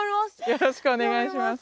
よろしくお願いします。